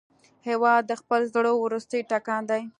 هېواد د خپل زړه وروستی ټکان دی.